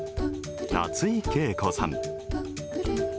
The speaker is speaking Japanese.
夏井景子さん。